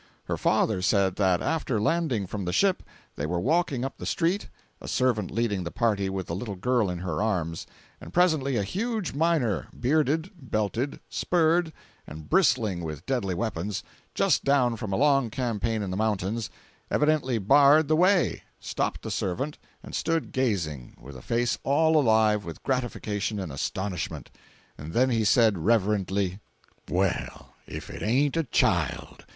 Her father said that, after landing from the ship, they were walking up the street, a servant leading the party with the little girl in her arms. And presently a huge miner, bearded, belted, spurred, and bristling with deadly weapons—just down from a long campaign in the mountains, evidently&mdashbarred the way, stopped the servant, and stood gazing, with a face all alive with gratification and astonishment. Then he said, reverently: 417.jpg (58K) "Well, if it ain't a child!"